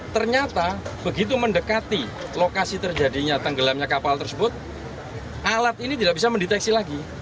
ternyata begitu mendekati lokasi terjadinya tenggelamnya kapal tersebut alat ini tidak bisa mendeteksi lagi